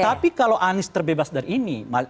tapi kalau anies terbebas dari ini